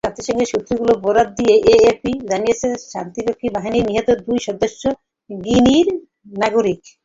জাতিসংঘের সূত্রগুলোর বরাত দিয়ে এএফপি জানিয়েছে, শান্তিরক্ষী বাহিনীর নিহত দুই সদস্য গিনির নাগরিক।